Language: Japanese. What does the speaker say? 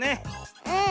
うん。